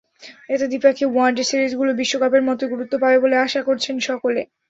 এতে দ্বিপাক্ষিক ওয়ানডে সিরিজগুলো বিশ্বকাপের মতোই গুরুত্ব পাবে বলে আশা করছেন সকলে।